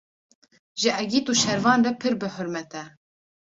ji egît û şervan re pir bi hurrmet e.